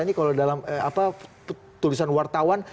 ini kalau dalam tulisan wartawan